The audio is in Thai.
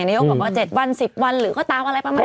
นายกบอกว่า๗วัน๑๐วันหรือก็ตามอะไรประมาณ